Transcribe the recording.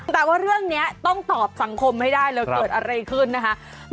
แต่ว่าเรื่องนี้ต้องตอบสังคมให้ได้เลยเกิดอะไรขึ้นนะคะ